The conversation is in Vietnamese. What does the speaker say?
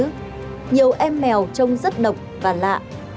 nhưng nhiều em mèo trông rất độc và lạ